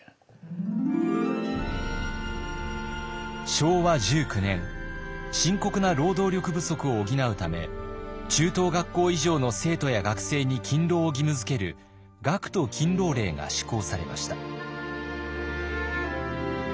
昭和１９年深刻な労働力不足を補うため中等学校以上の生徒や学生に勤労を義務づける学徒勤労令が施行されました。